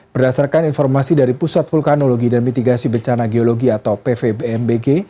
berdasarkan informasi dari pusat vulkanologi dan mitigasi bencana geologi atau pvbmbg